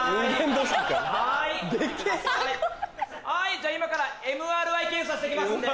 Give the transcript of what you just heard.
じゃあ今からＭＲＩ検査して行きますんでね。